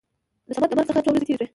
د صمد د مرګ څخه څو ورځې تېرې شوې.